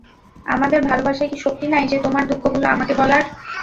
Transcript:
আমাদের ভালবাসায় কি শক্তি নাই যে তোমার দুঃখগুলো আমাকে বলার?